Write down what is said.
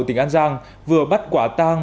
tỉnh an giang vừa bắt quả tang